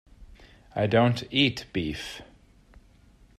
I don’t eat beef.